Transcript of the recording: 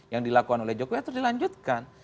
yang dilakukan oleh jokowi harus dilanjutkan